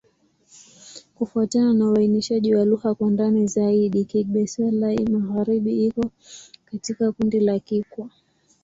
Kufuatana na uainishaji wa lugha kwa ndani zaidi, Kigbe-Xwla-Magharibi iko katika kundi la Kikwa.